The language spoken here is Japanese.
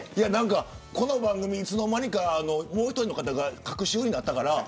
この番組、いつの間にかもう１人の方が隔週になったから。